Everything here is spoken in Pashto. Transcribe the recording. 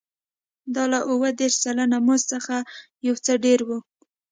دا له اووه دېرش سلنه مزد څخه یو څه ډېر و